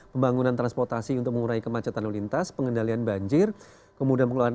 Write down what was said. pembangunan transportasi untuk mengurai kemacetan lalu lintas pengendalian banjir kemudian pengelolaan